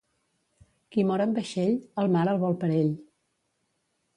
Qui mor en vaixell, el mar el vol per ell.